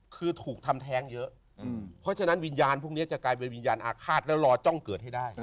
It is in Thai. คือถูกทำแท้งเยอะเพราะฉะนั้นวิญญาณพวกนี้จะกลายเป็นวิญญาณอาฆาตแล้วรอจ้องเกิดให้ได้